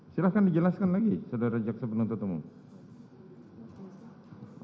silahkan dijelaskan lagi saudara jaksa penuntut umum